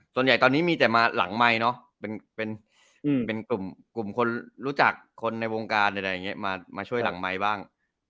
ส่วนใหญ่ตอนนี้มีแต่มาหลังไมค์เนาะเป็นกลุ่มคนรู้จักคนในวงการอะไรอย่างนี้มาช่วยหลังไมค์บ้าง